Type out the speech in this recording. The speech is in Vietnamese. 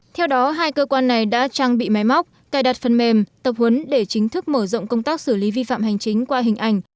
theo đó hai cơ quan này đã trang bị máy móc cài đặt phần mềm tập huấn để chính thức mở rộng công tác xử lý vi phạm hành chính qua hình ảnh